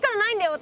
私。